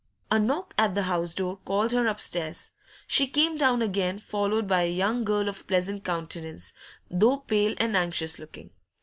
A knock at the house door called her upstairs. She came down again, followed by a young girl of pleasant countenance, though pale and anxious looking.